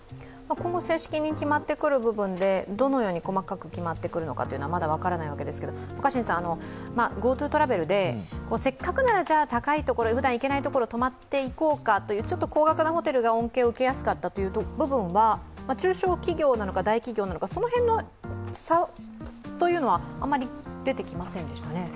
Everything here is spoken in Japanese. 今後、正式に決まってくる部分でどのように細かく決まってくるのかまだ分からないわけですけれどもＧｏＴｏトラベルでせっかくなら高いところ、ふだん行けない所に泊まっていこうかと、ちょっと高額なホテルが恩恵を受けやすかった部分は中小企業なのか大企業なのかその辺の差はあまり出てきませんでしたね。